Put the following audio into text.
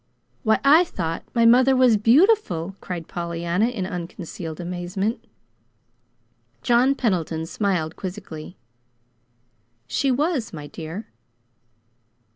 "Why, I thought my mother was BEAUTIFUL!" cried Pollyanna, in unconcealed amazement. John Pendleton smiled quizzically. "She was, my dear."